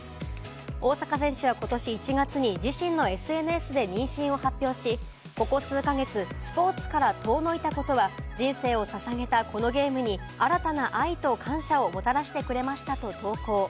大坂選手はことし１月に自身のＳＮＳで妊娠を発表し、ここ数か月、スポーツから遠のいたことは、人生を捧げたこのゲームに新たな愛と感謝をもたらしてくれましたと投稿。